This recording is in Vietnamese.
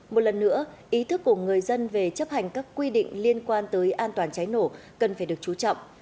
một lần nữa ý thức của người dân về chấp hành các quy định liên quan tới an toàn cháy nổ cần phải được chú trọng